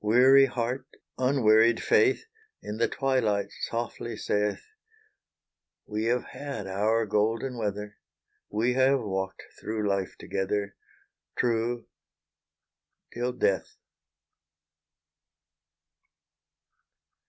Weary heart, unwearied faith, In the twilight softly saith "We have had our golden weather We have walked through life together, True, till death!"